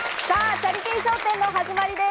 チャリティー笑点の始まりです。